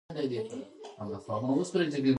آیا پښتو یوه غږیزه ژبه ده؟